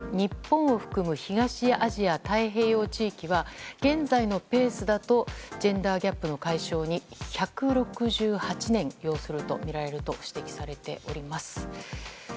今回の報告書の中で日本を含む東アジア・太平洋地域は現在のペースだとジェンダーギャップの解消に１６８年要するとみられると指摘されております。